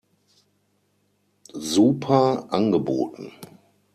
Super" angeboten.